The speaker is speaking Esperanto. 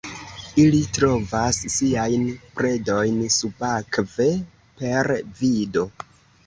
Ili trovas siajn predojn subakve per vido.